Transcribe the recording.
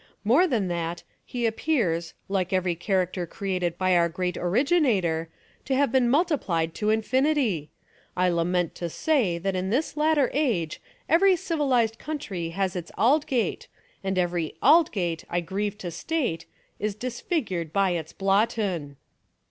More than that, he appears, like every character created by our great originator, to have been multi plied to infinity. I lament to say that in this later age every civilised country has its Aid gate, and every Aldgate, I grieve to state, is dis figured by its Blotton.